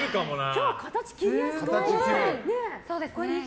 今日、形切りやすくないですか。